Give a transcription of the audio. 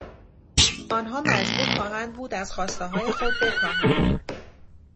آنها مجبور خواهند بود از خواستههای خود بکاهند.